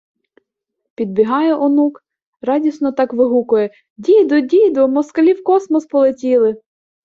Підбігає онук, радісно так вигукує: “Діду, діду, москалі у космос полетіли!”